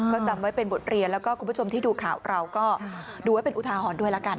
ก็จำไว้เป็นบทเรียนแล้วก็คุณผู้ชมที่ดูข่าวเราก็ดูไว้เป็นอุทาหรณ์ด้วยละกัน